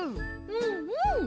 うんうん！